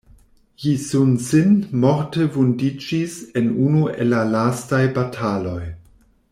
Ji Sun-sin morte vundiĝis en unu el la lastaj bataloj.